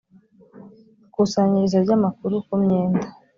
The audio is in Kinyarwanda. ikusanyirizo ry amakuru ku myenda